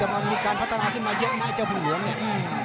แต่มันมีการพัฒนาที่มาเยอะมากเจ้าผู้หวงเนี่ย